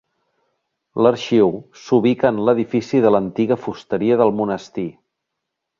L'arxiu s'ubica en l'edifici de l'antiga fusteria del monestir.